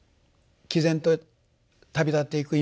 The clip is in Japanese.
きぜんと旅立っていく妹。